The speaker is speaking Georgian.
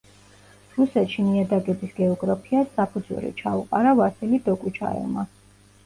რუსეთში ნიადაგების გეოგრაფიას საფუძველი ჩაუყარა ვასილი დოკუჩაევმა.